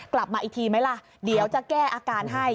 กลับมาอีกทีไหมล่ะเดี๋ยวจะแก้อาการให้